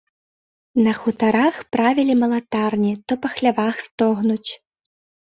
На хутарах правілі малатарні, то па хлявах стогнуць.